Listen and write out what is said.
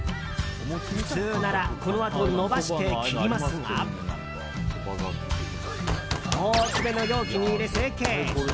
普通ならこのあと伸ばして切りますが大きめの容器に入れ成形。